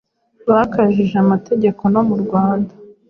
bakajije amategeko no mu Rwanda